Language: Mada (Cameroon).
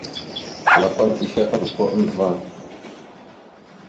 Klakom islégosko andəvá.